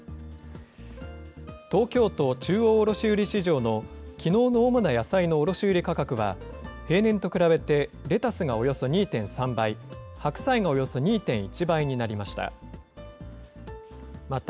東京都中央卸売市場のきのうの主な野菜の卸売り価格は、平年と比べて、レタスがおよそ２．３倍、はくさいがおよそ２．１倍になりました。